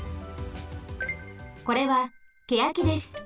これはケヤキです。